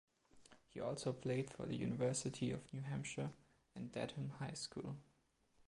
He also played for the University of New Hampshire and Dedham High School.